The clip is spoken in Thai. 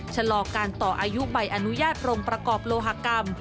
ชะลอการต่ออายุใบอนุญาตกรมประกอบโลหกรรม